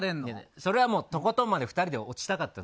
それはとことんまで２人で落ちたかったの。